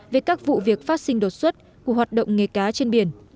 về các vụ việc phát sinh đột xuất của hoạt động nghề cá trên biển